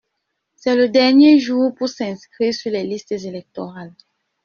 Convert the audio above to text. C'est le dernier jour pour s'inscrire sur les listes électorales.